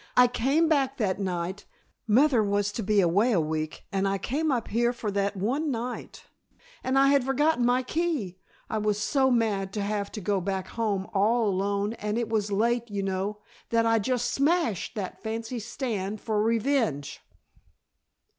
"I came back that night mother was to be away a week and I came up here for that one night and I had forgotten my key. I was so mad to have to go back home all alone and it was late, you know, that I just Smashed that fancy stand for revenge!"